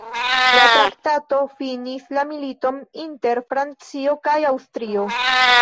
La traktato finis la militon inter Francio kaj Aŭstrio.